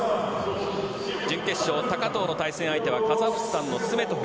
準決勝、高藤の対戦相手はカザフスタンのスメトフ。